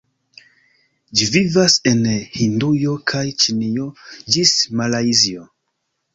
Ĝi vivas en Hindujo kaj Ĉinio ĝis Malajzio.